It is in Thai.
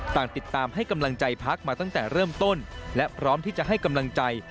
ต่างติดตามให้กำลังใจพักมาตั้งแต่เริ่มต้นและพร้อมที่จะให้กำลังใจ